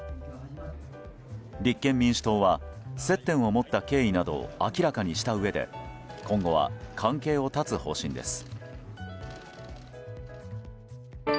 立憲民主党は接点を持った経緯などを明らかにしたうえで今後は関係を断つ方針です。